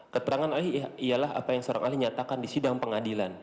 keterangan ahli ialah apa yang seorang ahli nyatakan di sidang pengadilan